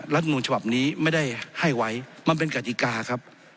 มูลฉบับนี้ไม่ได้ให้ไว้มันเป็นกฎิกาครับ